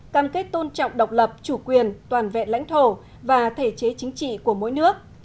cam kết tôn trọng độc lập chủ quyền toàn vẹn lãnh thổ và thể chế chính trị của mỗi nước